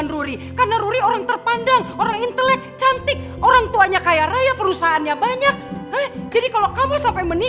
pokoknya sepanjang hari ini